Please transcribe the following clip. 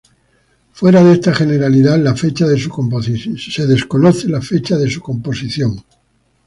Fuera de esta generalidad, la fecha de su composición es desconocida.